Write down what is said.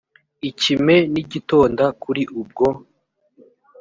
ikime nigitonda kuri ubwo